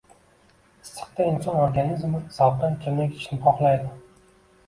Issiqda inson organizmi salqin ichimlik ichishni xohlaydi